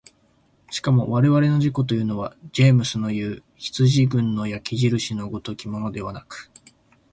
しかも我々の自己というのはジェームスのいう羊群の焼印の如きものではなく、